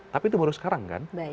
tapi itu baru sekarang kan